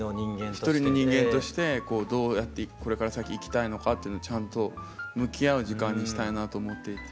一人の人間としてこうどうやってこれから先いきたいのかというのをちゃんと向き合う時間にしたいなと思っていて。